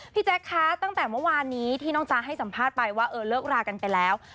แจ๊คคะตั้งแต่เมื่อวานนี้ที่น้องจ๊ะให้สัมภาษณ์ไปว่าเออเลิกรากันไปแล้ว